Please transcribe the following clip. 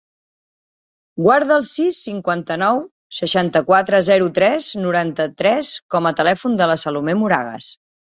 Guarda el sis, cinquanta-nou, seixanta-quatre, zero, tres, noranta-tres com a telèfon de la Salomé Moragues.